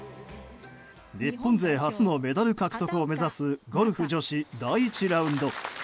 日本勢初のメダル獲得を目指すゴルフ女子第１ラウンド。